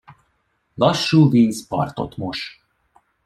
Lassú víz partot mos.